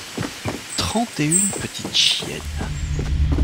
Trente et une petites chiennes.